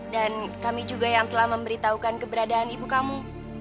dan kami juga yang telah memberitahukan keberadaan ibu kamu